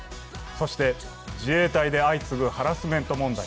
そして、自衛隊で相次ぐハラスメント問題。